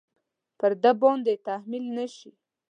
پر ده باندې تحمیل نه شي.